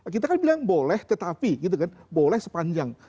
kita kan bilang boleh tetapi gitu kan boleh sepanjang